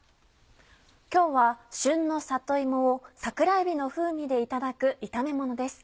今日は旬の里芋を桜えびの風味でいただく炒めものです。